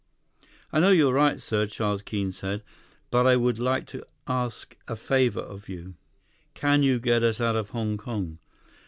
182 "I know you're right, sir," Charles Keene said, "but I would like to ask a favor of you. Can you get us out of Hong Kong?"